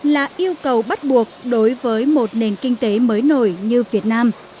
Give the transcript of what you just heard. là yêu cầu bắt buộc đối với một nền kinh tế mới nổi như việt nam